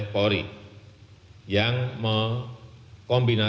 polri yang melakukan perhubungan